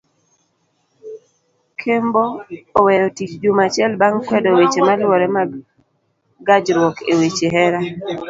Kembo oweyo tich juma achiel bang kwedo weche maluore mag gajruok eweche hera.